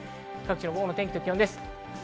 午後の天気と気温です。